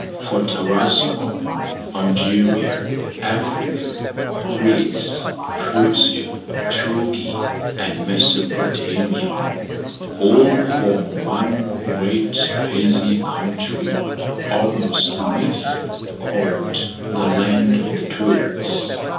For Tarascon, Algeria, Africa, Greece, Persia, Turkey, and Mesopotamia, all form one great hazy country, almost a myth, called the land of the Turks.